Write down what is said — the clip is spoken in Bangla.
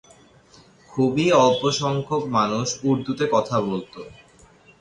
খুবই অল্প সংখ্যক মানুষ উর্দুতে কথা বলতো।